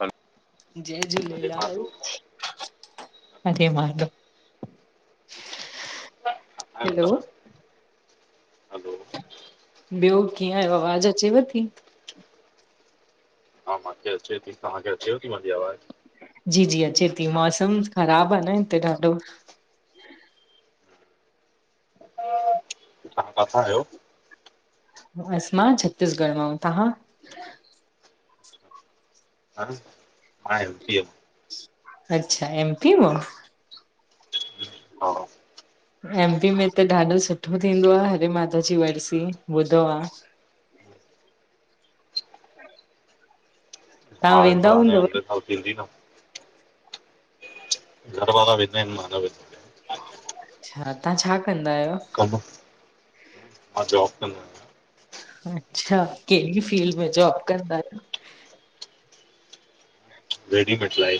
हल [inaudible] जय झूलेलाल अे मड [unintelligible] किथां आहियो हलो तव्हां? हलो ॿियो कीअं आयो, आवाज़ु अचेव थी? हा मांखे अचे थी, तव्हांखे अचेव थी मुंजी आवाज़ु? जी- जी अचे थी, मौसम ख़राबु आ न हिते ॾाढो। तहां काथां आहियो? अस मां छत्तीसगढ़ मां, अंऊं तव्हां? मां एम पी अ मां। अच्छा, एम पी अ मां! हा एम पी में त ॾाढो सुठो थींदो आ हरे माधव जी वर्सी, ॿुधो आ। हा तव्हां इ वेंदा मां हाणे हूंदव? अॻले साल थींदी न। घर वारा वेंदा आहिन, मां न वेंदो आं अच्छा, तां छा कंदा आहियो? कम, मां जॉब कंदो आयां। अच्छा, केड़ी फील्ड में जॉब कंदा आयो? रेडिमेट सिलाई।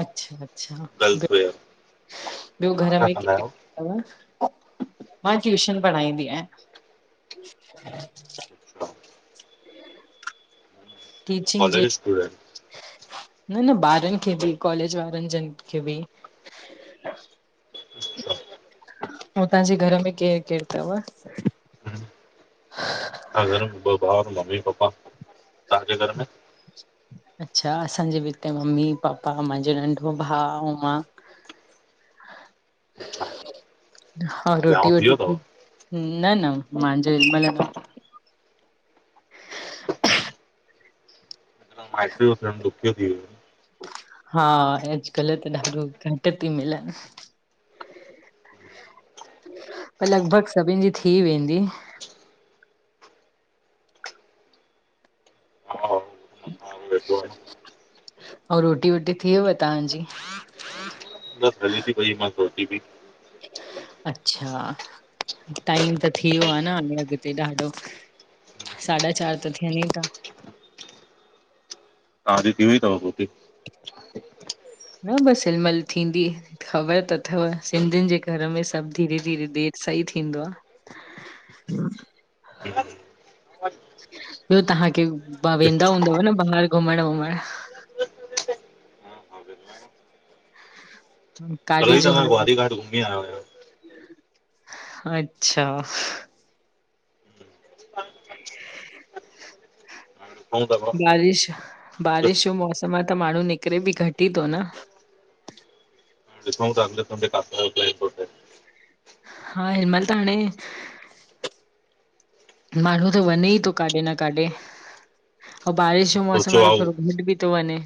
अच्छा-अच्छा! गर्ल्स वेयर ॿयो तव्हां घर छा में कंदा आहियो? केर-केर हन्, मां ट्यूशन पढ़ाईंदी आयांं। अच्छा टीचिंग जे कॉलेज स्टूडेंट न-न बारन खे भी, कॉलेज वारन जन खे भी। अच्छा पो तांजे घर में केर- केर तव? असांजे घर में ॿ भावर, मम्मी-पापा। तहांजे घर में? अच्छा, असांजे भी इते मम्मी-पापा मांजो नंढ़ो भाव अउ मां। [inaudible] [inaudible] हा रोटी वियांहो वोटी वियो थी अथव? न न मांजो हिंमल न् हाण माइट्यू त थियण दुखिंयो थी वयूं हां एजकल त ॾाढों घट थी मिलन क लगभग सभीन जी थी वेंदी हा हा, वेठो आहियां औं रोटी वोटी थिव् तहांजी? बस हल्ले ती पई बस रोटी भी अच्छा टाइम त थी वयो आ न हाणे अगते ॾाढों साॾा चार त थयनि ई ता तहांजी थी वई तव रोटी? न बस हिंमल थींदी ख़बर त अथव सिंधियनि जे घर में सभ धीरे-धीरे देर सा ही थींदो आह [unintelligible] ब्यो तहांखे भा वेंदा हूंदव न बाहर घुमण वुमण? कल्ह काॾे ई चों तव्हां हल ग्वारी लाए? घाट घुमी आया आहियो अच्छा हाणे ॾिसूं था बारिश बारिश जो मौसम आ त माणू निकरे भी घट ई थो न ॾिसउ तां अगले सन्डे काथे जो प्लेन तो ठऐ हा हिंमल त हाणे माणू त वञे ई तो काॾे न काॾे अउ बारिश जो मौसम सोचियो आ त आहे थोरो मिॾ भी थो वञे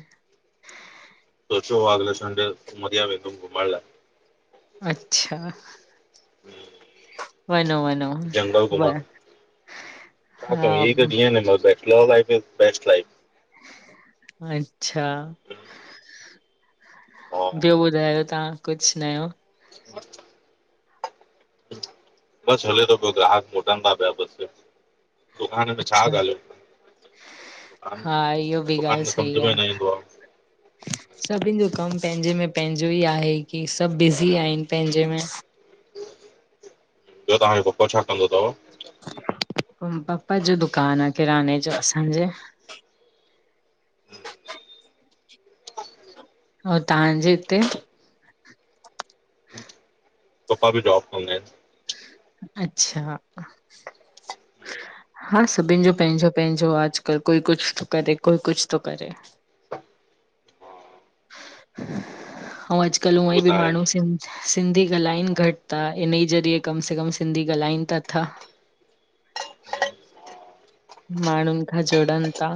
सोचो आ अगले संडे उमरिया वेंदूम घुमण लाए अच्छा वन्नों वञ जंगल घुमण छां कयू हा इए त ॾींह आहिन हिंमल best love life is best life अच्छा हा ब्यो बुधायो तहां कुछ नयो बस हले थो पयो ग्राहक मोटन था पया बस दुकान में छा अच्छा गालांयू हा इयो भी गाल सही सम्झ आ में न ईंदो आहे सभीन जो कम पहिंजे में पहिंजो ही आहे की सभ बिजी आहिन पहिंजे में बयो तंहाॼो पप्पा छा कंदो तव्? पप्पा जो दुकान आ किराने जो असांजे और तहांजे इते? पप्पा भी जॉप कंदा आहेन अच्छा हा सभीन जो पहिंजो पहिंजो आ अजकल कोई कुछ थो करे कोई कुछ थो करे अउ अॼुकल्ह उहे हूअईं त भी माणू आहिनि। सिन सिंधी गालाइन घट था इन ई जरिए कम से कम सिंधी गालाइन तथां माणून खां जुड़न था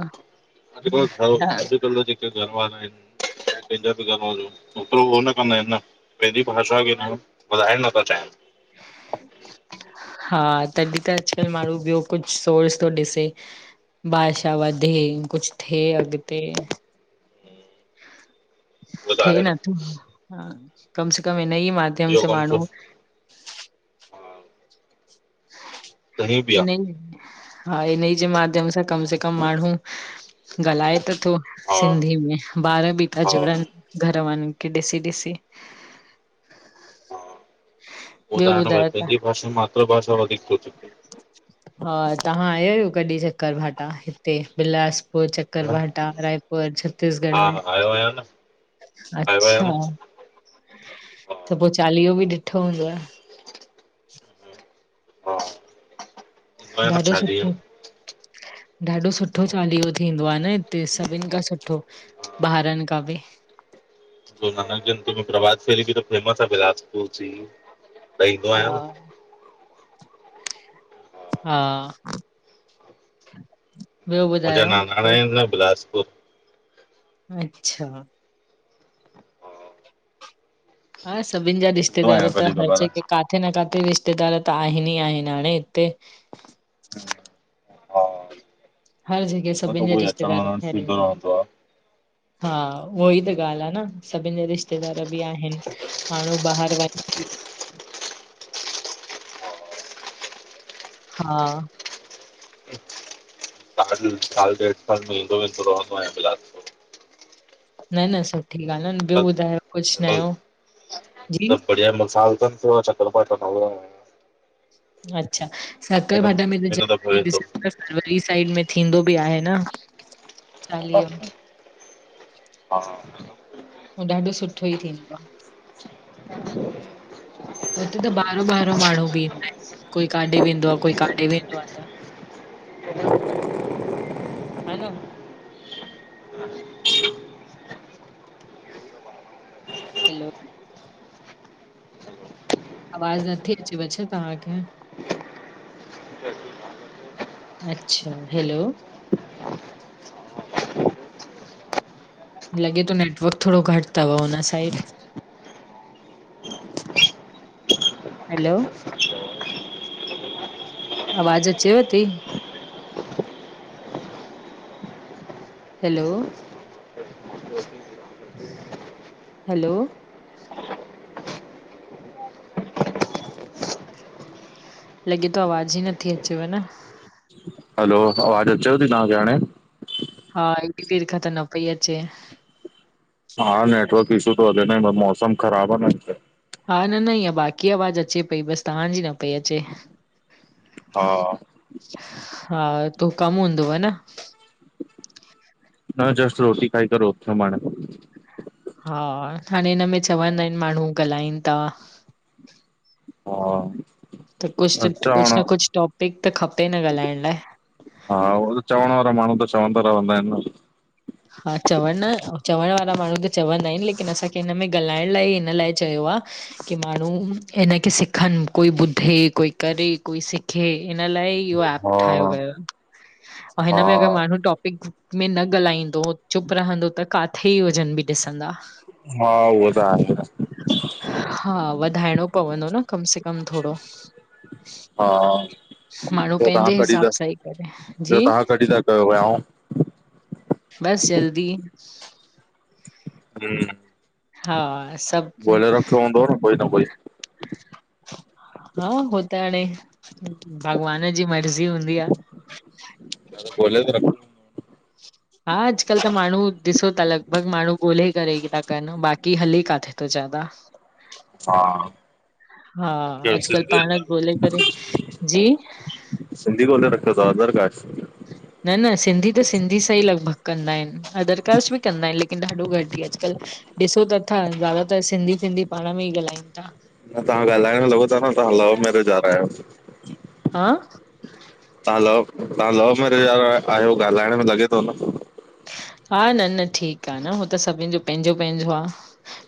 अजुकल्ह घर त अजकल जेके घर वारा आहिन चाहे कहिंजा भी घर वारो ओतरो उहो न कमाइंदा पहिंजी भाषा खे न वधाण लाथा चाहेन [unintelligible] हा तॾहिं त अॼुकल्ह माण्हू ॿियो कुझ सोर्स थो ॾिसे भाषा वधे कुझु थिए अॻिते चाहिनि। उहो त थिए आहे न नथो हा हिन ही कम से कम हिनन ई माध्यम इहो से कमु त माण्हू सही बि आ। हिनई हा हिन ई जे माध्यम सां कम से कम माण्हू ॻाल्हाए त थो हा सिंधी में ॿार बि था हा जुड़नि घर वारनि खे ॾिसी ॾिसी उहो त ॿियो आहे न भई ॿुधायो पंहिंजी भाषा मातृ भाषा ते वधीक सोचॼे हा तव्हां आया आहियो कॾहिं चक्कर भाटा हिते बिलासपुर चक्कर भाटा रायपुर छत्तीसगढ़ हा में हा आयो आहियां न आयो आहियां अच्छा न हा त पोइ चालीहो बि ॾिठो हूंदुव। हा ईंदो आहियां न ॾाढो छा सुठो ॾींहं ॾाढो सुठो चालीहो थींदो आ न हिते सभिनि खां सुठो बाहेरिन खा बि गुरुनानक जयंती में प्रभात फेरी बि त फेमस आ बिलासपुर जी त ईंदो हा आहियां न हा मुंहिंजा ॿियो ॿुधायो न न बिलासपुर अच्छा हा, हा सभिनि जा ईंदो रिश्तेदार आहियां त कॾहिं हर कभार जगह काथे किथे न किथे रिश्तेदार त आहिनि ई आहिनि हाणे हिते हा हर जॻह न त सभिनि जा उहोई अचण रिश्तेदार वञण फैलियल थींदो आहिन रहंदो आहे हा उहोई त ॻाल्हि आ न सभिनि जेा रिश्तेदार बि आहिनि माण्हू ॿाहिरि वञी हा साल ॾेढ साल में ईंदो वेंदो रहंदो आहियां बिलासपुर न न सुठी ॻाल्हि आ न ॿियो बस ॿुधायो कुझु नयो जी जेंह महिल साल थिएन पोइ अचेन कल भाउ आया आहेन अच्छा हिन चकरभाटा में हिन दफ़ो ॼरूर वेंदुमि ॾिसण वरी साइड में थींदो बि आहे न चालीहो हा हा हू ॾाढो सुठो ई थींदो आ [inaudible] हुते त ॿाहिरो- ॿिहिरो माण्हू बि ईंदा आहिनि कोई काॾे वेंदो आ कोई काॾे वेंदो आ त। हा न [inaudible] हैलो आवाज़ नथी अचे व छा तव्हांखे [unintelligible] अच्छा हैलो लॻे थो नेटवर्क थोड़ो घटि तव हुन साइड हैलो आवाजु अचेव थी हैलो हैलो लॻे थो आवाज़ ई नथी अचेव न हैलो आवाज़ु अचेव थी तव्हांखे हाणे हा एॾी देर खां त न पई अचे हा नेटवर्क इशू थो हले न हिनमहिल मौसम ख़राब आ न हिते हा न न ईअ बाक़ी आवाज़ु अचे पई बसि तव्हांजी न पई अचे हा हा तो कम हूंदोव न? न जस्ट रोटी खाई करे उथ्यिम हाणे। हा हाणे हिनमें चवंदा आहिन माण्हू ॻाल्हाइनि था हा त कुछ त चवण कुछ न हा कुछ टॉपिक त खपे न ॻाल्हाइण लाइ हा उह त चवण वारा माण्हू त चवंदा रवंदा अहनि न। हा चवण न, चवण वारा माण्हू त चवंदा आहिन लेकिन असांखे हिन में ॻाल्हाइण लाइ हिन लाइ चयो आह की माण्हू हिनखे सिखनि कोई ॿुधे कोई करे कोई सिखे इन लाइ इहो एप ठायो हा वियो अंव हा हिन में अगर माण्हू टॉपिक में न ॻाल्हाई तो चुप रहंदो त काथे ई जन्म बि ॾिसंदा? हा उहो त आहे हा वधाइणो पवंदो न, कम से कम थोरो हा, माण्हू ॿियो तंहा पंहिंजे कॾहिं हिसाब ता, सां ई करे। ॿियो जी, तहां कॾहिं था कयो वियाऊं? बस जल्दी हम [unintelligible] हा--स गोो़ले रखियो हूंदोव न कोई न कोई हा हो त हाणे, भॻवान जी मर्ज़ी हूंदी आह ह त गोले त रखो हा अॼुकल्ह माण्हू ॾिसो था लॻभॻि माण्हू ॻोल्हे करे ई था कनि बाक़ी हले काथे थो ज्यादा [inaudible] हा हा, केरु अॼकल्ह सिंधी पाण ॻोल्हे करे जी सिंधी गोो़ले रखियो थव अदर काश न न सिंधी त सिंधी सां ई लॻभॻि कंदा एन अदर कास्ट बि कंदा आहिन लेकिन ॾाढो घटिह अॼुकल्ह ॾिसु त था ज़्यादातर सिंधी सिंधी पाण में ई ॻाल्हायनि था। न तव्हां ॻाल्हाइण लगो था न तव्हां लव मेरिज आरा आहियो। हा तां लव, तां लव मेरिज वारा आहियो ॻाल्हाइण में लॻे थो न हा न न ठीक आ न हू त सभिन जो पेंजो पेंजो आह।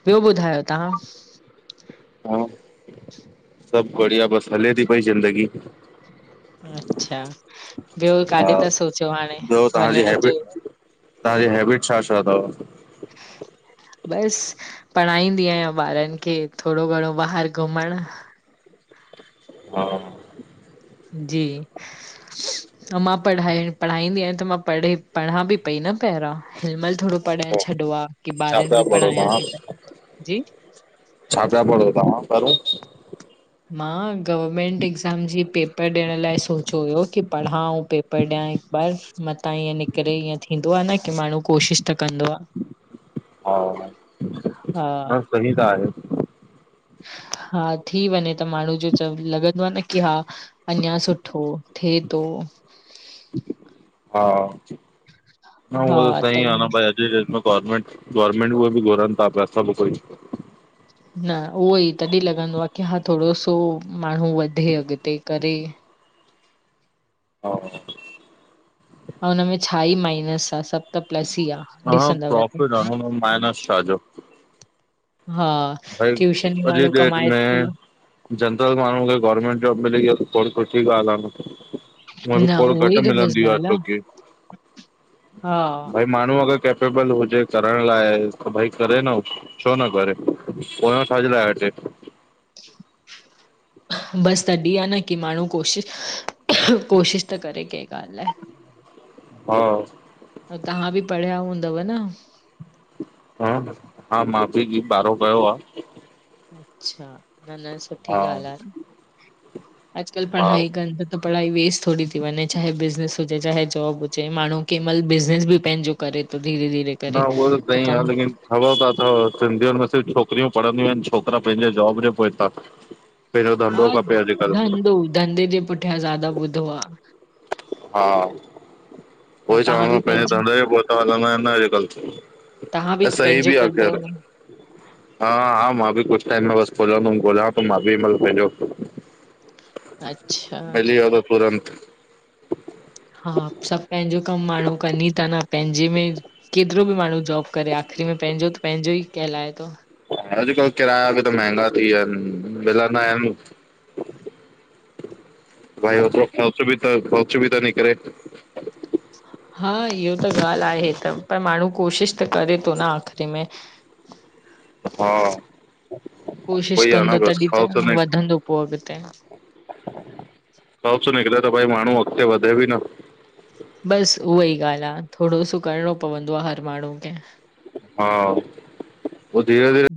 ॿियो ॿुधायो तां? सब बढ़िया बस हले थी पई ज़िंदगी अच्छा, ॿियो काॾे हा था सोचियो हाणे वञण जो? तांजी हेबिट छा सा थव? बस पढ़ाईंदी अहियां ॿारनि खे थोरो घणो ॿाहिर घुमणु हा जी अ मां पढ़ाए पढ़ाईंदी आहियां त मां पढ़े पढ़ां बि पई न पहिरां हिनमल थोरो पढ़ाएण छॾियो आ। की छा ॿारनि पिया बि पढ़ो पढ़ायां तव्हां? थी त, जी छा पिया पढों तव्हां पहिरो? मां गवर्मेंट एक्ज़ाम जी पेपर ॾियण लाइ सोचियो हुयो की पढ़ां अंऊ पेपर ॾियां ऐं बस मंता ईअं निकरे ईअं थींदो आ न की माण्हू कोशिश त कंदो आह। हा न सही त आ। हा थी वञे त माण्हू जो च लॻंदो आ न की हा अञा सुठो थे तो हा, न उह त सही आ न ब जी डेट गवर्नमेंट गवर्नमेंट उहे बि घुरनि था पिया सभु कोई न उहो ई तॾें लॻंदो आ की हा थोरो सो माण्हू वधे अॻिते करे। हा, हा हुनमें छा ई माइनस आ सभु त प्लस ई आ। हा ॾिसंदव त, प्रोफिट आहे हुन माइनस छा हा। भाई, ट्यूशन ई अॼु जी माण्हू डेट कमाए थो में जनरल माण्हू खे गवर्नमेंट जॉब मिले इअ त तोरी ख़ुशी जी ॻाल्ह आ न। हुन खे न थोरो उहो ई घटि त बसि मिलंदी आ ॻाल्हि आहे छोकी, हा भई। माण्हू अगरि केपेबल हुजे करण लाइ, त भई करे न, छो न करे। पोयां छाजे लाए हटजे। बसि तॾीं आ न की माण्हू कोशिश, कोशिश त करे कंहिं ॻाल्हि लाइ। हा। ह तव्हां बि पढ़िया हूंदव न। हा। हा मां बि जी ॿारो कयो आ। अच्छा, न न सुठी हा ॻाल्ह आ अॼुकल्ह हा पढ़ाई कनि त त पढ़ाई वेस्ट थोरी थी वञे चाहे बिज़नेस हुजे चाहे जॉब हुजे माण्हू कंहिं महिल बिज़नेस बि पंहिंजो करे तो धीरे-धीरे न उह त सही आ लेकिन खबर त अथव सिंधियुनि में सिर्फ़ छोकिरियूं पढ़ंदियूं आहिनि छोकिरा पंहिंजे जॉब जे पोए तां हा धंधो, धंधे जे पुठियां ज्यादा ॿुधो आ। हा, हा उए चवां तव्हां बि तो, पंहिंजे पंहिंजी धंधे ते पहुता हलंदा आहिनि न हे सब तव्हां ऐं त सही पंहिंजो बि आ कंदव ख़ैर। न? हा हा, मां बि कुझु टाइम में बस खोलदुम, गोला तो मां बि हिनमल पेंजो अच्छा। मिली वियो त तूरंत हा! सभु पेंजो कम माण्हू कन ही था न पेंजे में केतिरो बि माण्हू जॉब करे, आख़िरी में पेंजो त पेंजो ई कहलाए थो। अॼुकल्ह किराया बि त महंगा थी विया आहिन मिलंदा आहिन। भाई ओतरो खर्च बि त खर्च बि निकरे। हा इहो त ॻाल्ह आहे त पर माण्हू कोशिश त करे थो न आख़िरी में। [inaudible] हा, उहो कोशिश ई आ न कंदो, बस तॾीं त ख़ौफ़ निक वधंदो पो अॻिते। जॉब्स निकिरे त भई माण्हू अॻिते वधे बि न। बसि उहा ई ॻाल्ह आ, थोरो सो करिणो पवंदो आ हर माण्हू खे। हा। पो धीर-धीेरे